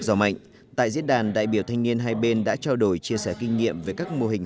gió mạnh tại diễn đàn đại biểu thanh niên hai bên đã trao đổi chia sẻ kinh nghiệm về các mô hình